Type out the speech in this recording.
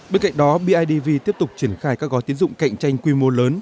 bên cạnh đó bidv tiếp tục triển khai các gói tiến dụng cạnh tranh quy mô lớn